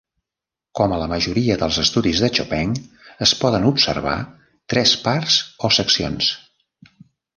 Com a la majoria dels estudis de Chopin es poden observar tres parts o seccions.